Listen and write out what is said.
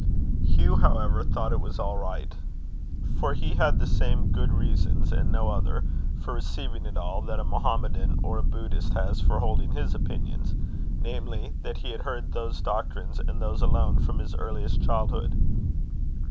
Hugh, however, thought it was all right: for he had the same good reasons, and no other, for receiving it all, that a Mohammedan or a Buddhist has for holding his opinions; namely, that he had heard those doctrines, and those alone, from his earliest childhood.